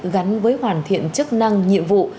gắn với hoàn thiện chức năng nhiệm vụ